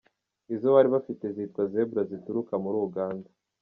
Izo bari bafite zitwa Zebra zituruka muri Uganda.